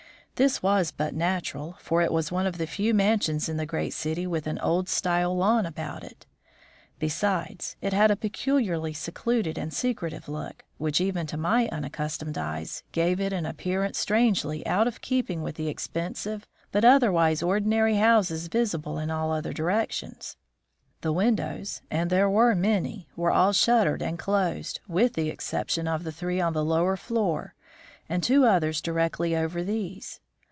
This was but natural, for it was one of the few mansions in the great city with an old style lawn about it. Besides, it had a peculiarly secluded and secretive look, which even to my unaccustomed eyes, gave it an appearance strangely out of keeping with the expensive but otherwise ordinary houses visible in all other directions. The windows and there were many were all shuttered and closed, with the exception of the three on the lower floor and two others directly over these.